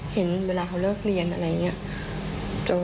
เห็นเวลาเขาเลิกเรียนอะไรอย่างนี้